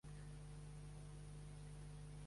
Espanya n’és un dels que s’hi ha negat.